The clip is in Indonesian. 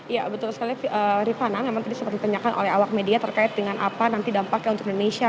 ya betul sekali rifana memang tadi sempat ditanyakan oleh awak media terkait dengan apa nanti dampaknya untuk indonesia